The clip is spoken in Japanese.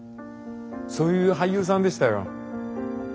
そういう俳優さんでしたよ。